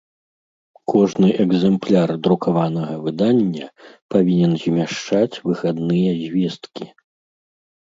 Кожны экзэмпляр друкаванага выдання павiнен змяшчаць выхадныя звесткi.